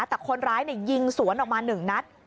แต่คนร้ายยิงสวนออกมา๑นัด